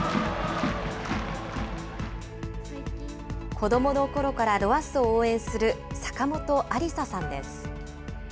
子どものころからロアッソを応援する坂本安里紗さんです。